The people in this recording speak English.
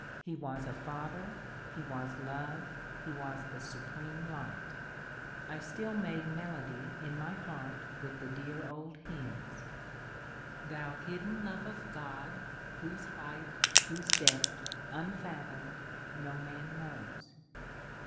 He was a Father, he was Love, he was the Supreme Light. I still made melody in my heart with the dear old hynms — Thou hidden love of God whose height. Whose depth unf athomed no man knows